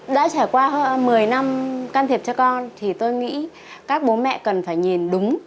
đã trải qua hơn một mươi năm can thiệp cho con thì tôi nghĩ các bố mẹ cần phải nhìn đúng